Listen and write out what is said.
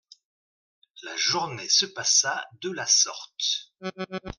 La journée se passa de la sorte.